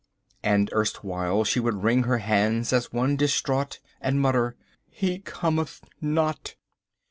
And erstwhile she would wring her hands as one distraught and mutter, "He cometh not."